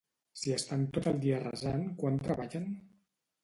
Si estan tot el dia resant quan treballen?